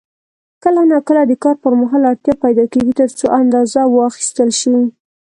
کله نا کله د کار پر مهال اړتیا پیدا کېږي ترڅو اندازه واخیستل شي.